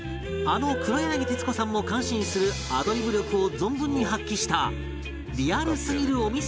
あの黒柳徹子さんも感心するアドリブ力を存分に発揮したリアルすぎるお店屋さんごっこを披露